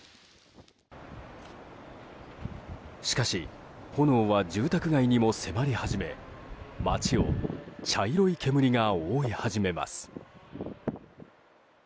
しかし、炎は住宅街にも迫り始め街を茶色い煙が覆い始めます。